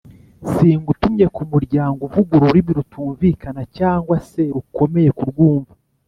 Singutumye ku muryango uvuga ururimi rutumvikana cyangwa se rukomeye kurwumva